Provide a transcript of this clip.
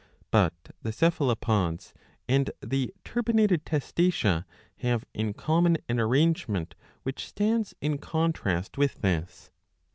684b. IV. 9 113 But the Cephalopods and the turbinated Testacea have in common an arrangement which stands in contrast with this.